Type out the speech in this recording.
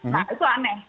nah itu aneh